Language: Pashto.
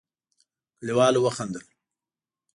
کليوالو وخندل.